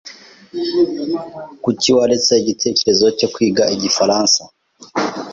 Kuki waretse igitekerezo cyo kwiga igifaransa?